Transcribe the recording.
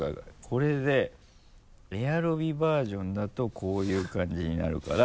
これでエアロビバージョンだとこういう感じになるから。